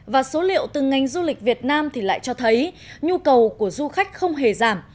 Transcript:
và số liệu từ ngành du lịch việt nam thì lại cho thấy nhu cầu của du khách không hề giảm